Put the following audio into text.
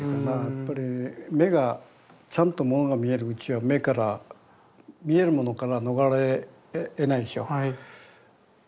やっぱり目がちゃんとものが見えるうちは目から見えるものから逃れえないでしょう。